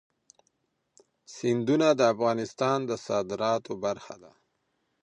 سیندونه د افغانستان د صادراتو برخه ده.